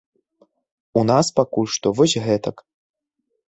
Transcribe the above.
У нас пакуль што вось гэтак.